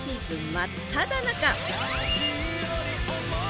真っただ中